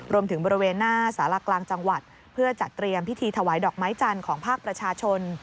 บริเวณหน้าสารกลางจังหวัดเพื่อจัดเตรียมพิธีถวายดอกไม้จันทร์ของภาคประชาชน